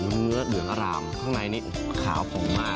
เนื้อเหลืองอารามข้างในนี้ขาวผงมาก